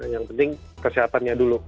yang penting kesehatannya dulu